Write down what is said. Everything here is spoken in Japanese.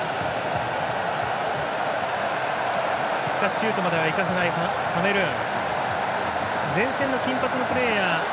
シュートまではいかせないカメルーン。